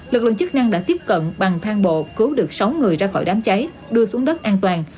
lực lượng chức năng đã tiếp cận bằng thang bộ cứu được sáu người ra khỏi đám cháy đưa xuống đất an toàn